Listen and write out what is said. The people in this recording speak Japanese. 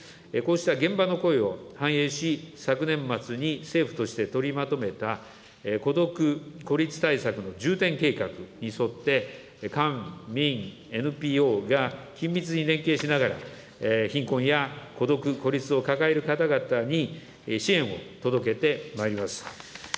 こうした現場の声を反映し、昨年末に政府として取りまとめた孤独孤立対策の重点計画に沿って、官民ＮＰＯが緊密に連携しながら、貧困や孤独・孤立を抱える方々に支援を届けてまいります。